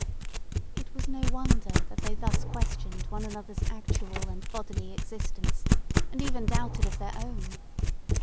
It was no wonder that they thus questioned one another's actual and bodily existence, and even doubted of their own.